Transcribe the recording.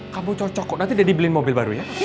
kamu cocok kok nanti dia dibeliin mobil baru ya